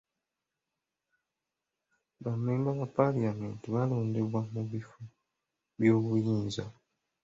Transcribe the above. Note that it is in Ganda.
Bammemba ba paalamenti balondebwa mu bifo by'obuyinza.